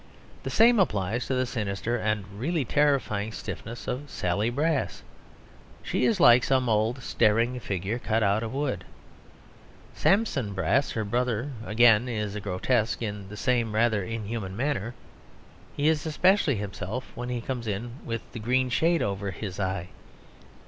The same applies to the sinister and really terrifying stiffness of Sally Brass. She is like some old staring figure cut out of wood. Sampson Brass, her brother, again is a grotesque in the same rather inhuman manner; he is especially himself when he comes in with the green shade over his eye.